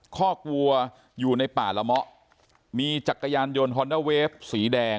คอกวัวอยู่ในป่าละเมาะมีจักรยานยนต์ฮอนด้าเวฟสีแดง